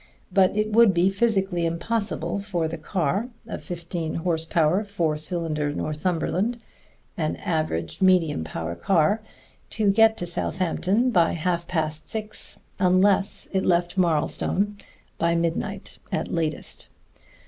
But it would be physically impossible for the car a fifteen horse power four cylinder Northumberland, an average medium power car to get to Southampton by half past six unless it left Marlstone by midnight at latest.